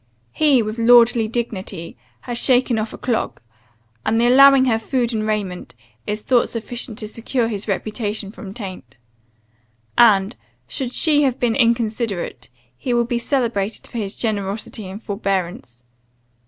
He, with lordly dignity, has shaken of a clog; and the allowing her food and raiment, is thought sufficient to secure his reputation from taint. And, should she have been inconsiderate, he will be celebrated for his generosity and forbearance.